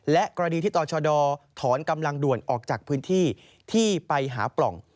และกรณีที่ต่อชดถอนกำลังด่วนออกจากพื้นที่ที่ไปหาปล่อง